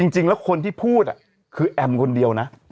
จริงแล้วคนที่พูดคือแอมคนเดียวนะ